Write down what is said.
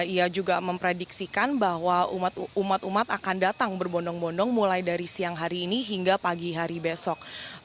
ia juga memprediksikan bahwa umat umat akan datang berbondong bondong mulai dari siang hari ini hingga pagi hari besok